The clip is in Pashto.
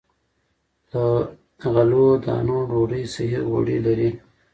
له غلو- دانو ډوډۍ صحي غوړي لري.